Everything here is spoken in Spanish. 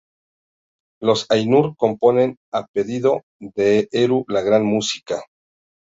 Los Ainur componen a pedido de Eru la Gran Música.